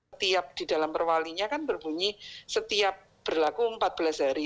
setiap di dalam perwalinya kan berbunyi setiap berlaku empat belas hari